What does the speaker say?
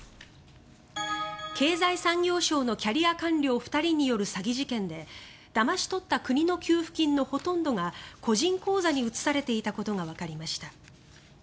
経済産業省のキャリア官僚２人による詐欺事件でだまし取った国の給付金のほとんどが個人口座に移されていたことがわかりました。